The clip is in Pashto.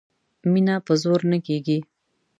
مینه په زور نه کیږي